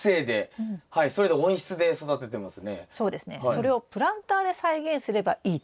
それをプランターで再現すればいいってことですよね。